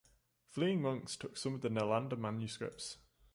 Fleeing monks took some of the Nalanda manuscripts.